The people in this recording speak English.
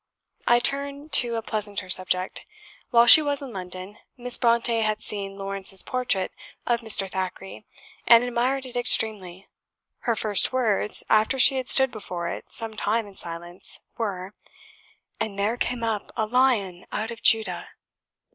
I turn to a pleasanter subject. While she was in London, Miss Brontë had seen Lawrence's portrait of Mr. Thackeray, and admired it extremely. Her first words, after she had stood before it some time in silence, were, "And there came up a Lion out of Judah!"